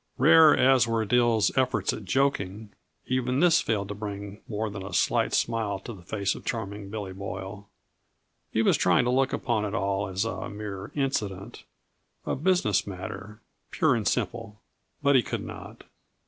Rare as were Dill's efforts at joking, even this failed to bring more than a slight smile to the face of Charming Billy Boyle. He was trying to look upon it all as a mere incident, a business matter, pure and simple, but he could not.